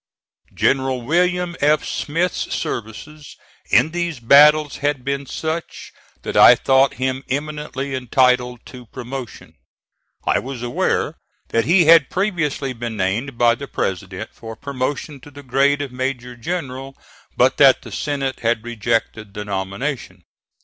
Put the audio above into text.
General William F. Smith's services in these battles had been such that I thought him eminently entitled to promotion. I was aware that he had previously been named by the President for promotion to the grade of major general, but that the Senate had rejected the nomination.